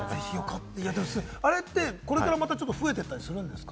あれって、これからまた増えていったりするんですか？